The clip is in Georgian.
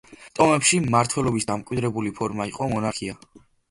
ტომებში მმარველობის დამკვიდრებული ფორმა იყო მონარქია.